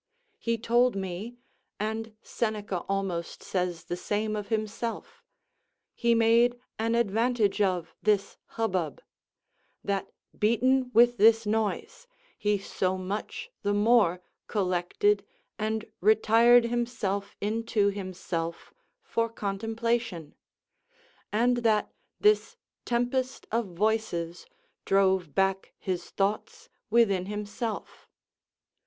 He told me, and Seneca almost says the same of himself, he made an advantage of this hubbub; that, beaten with this noise, he so much the more collected and retired himself into himself for contemplation, and that this tempest of voices drove back his thoughts within himself.